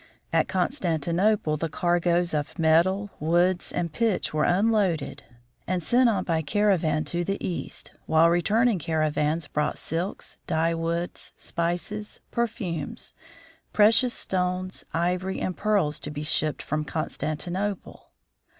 At Constantinople, the cargoes of metals, woods, and pitch were unloaded and sent THE FROZEN NORTH on by caravan to the East, while returning caravans brought silks, dyewoods, spices, perfumes, precious stones, ivory, and pearls, to be shipped from Constantinople.